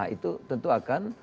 itu tentu akan